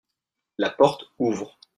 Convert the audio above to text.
La porte ouvre.